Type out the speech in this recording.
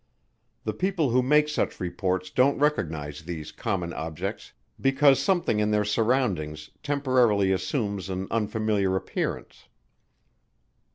The people who make such reports don't recognize these common objects because something in their surroundings temporarily assumes an unfamiliar appearance.